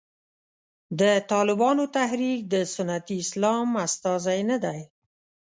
د طالبانو تحریک د سنتي اسلام استازی نه دی.